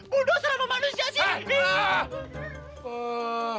buduh sama manusia sih